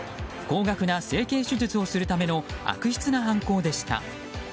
高額な整形手術をするための悪質な犯行でした。